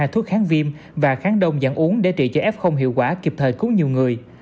hai thuốc kháng viêm và kháng đông dạng uống để trị cho f hiệu quả kịp thời cứu nhiều người